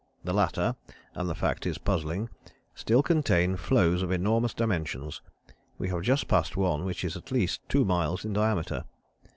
The latter and the fact is puzzling still contain floes of enormous dimensions; we have just passed one which is at least two miles in diameter...."